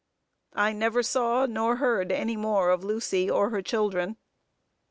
I never saw nor heard any more of Lucy or her children.